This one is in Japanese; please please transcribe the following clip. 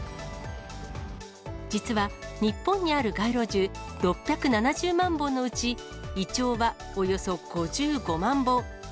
実は、日本にある街路樹６７０万本のうち、イチョウはおよそ５５万本。